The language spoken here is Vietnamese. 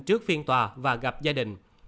trước phiên tòa và gặp gia đình